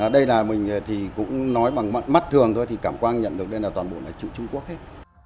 đây là mình thì cũng nói bằng mắt thường thôi thì cảm quang nhận được đây là toàn bộ là chữ trung quốc hết